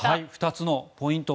２つのポイント。